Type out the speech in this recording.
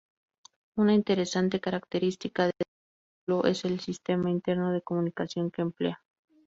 Una interesante característica de este vehículo es el sistema interno de comunicación que emplea.